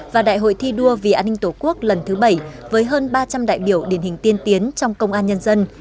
và đại hội thi đua vì an ninh tổ quốc lần thứ bảy với hơn ba trăm linh đại biểu điển hình tiên tiến trong công an nhân dân